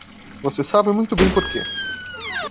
Você sabe muito bem porque.